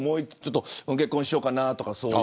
結婚しようかなとか。